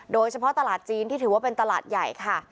โดยเฉพาะตลาดจีนที่ถือว่าเป็นตลาดใหญ่ค่ะ